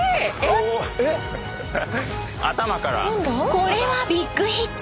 これはビッグヒット！